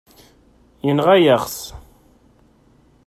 Yenɣa-yaɣ-t.